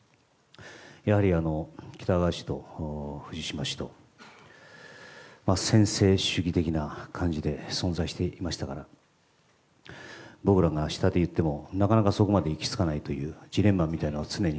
やはり喜多川氏と藤島氏と、専制主義的な感じで存在していましたから、僕らが下で言っても、なかなかそこまで行きつかないというジレンマみたいなものは常に